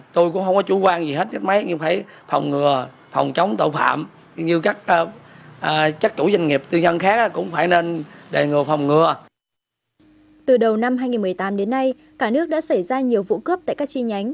từ đầu năm hai nghìn một mươi tám đến nay cả nước đã xảy ra nhiều vụ cướp tại các chi nhánh